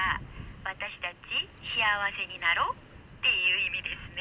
私たち幸せになろうっていう意味ですね」。